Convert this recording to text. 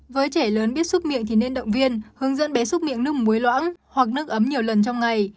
với trẻ lớn biết xúc miệng thì nên động viên hướng dẫn bé xúc miệng nước muối loãng hoặc nước ấm nhiều lần trong ngày